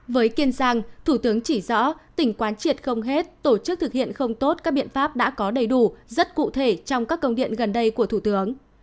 với kiên giang thủ tướng chỉ rõ tỉnh quán triệt không hết tổ chức thực hiện không tốt các biện pháp đã có đầy đủ rất cụ thể trong các công điện gần đây của thủ tướng